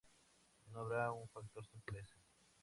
No habría un factor sorpresa.